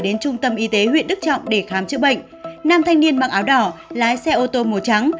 đến trung tâm y tế huyện đức trọng để khám chữa bệnh nam thanh niên mặc áo đỏ lái xe ô tô màu trắng